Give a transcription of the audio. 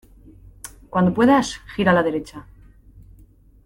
Cuando puedas, gira a la derecha.